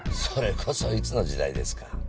それこそいつの時代ですか？